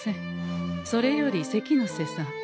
それより関ノ瀬さん